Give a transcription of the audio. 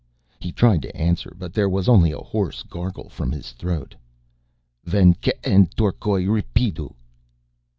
He tried to answer but there was only a hoarse gargle from his throat. "_Ven k'n torcoy r'pidu!